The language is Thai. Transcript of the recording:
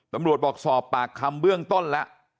ตำรวจบอกสอบปากคำเบื้องต้นละ